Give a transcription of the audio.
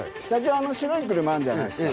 あの白い車あんじゃないですか。